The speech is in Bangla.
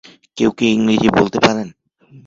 কেউ কি ইংরেজি বলতে পারেন?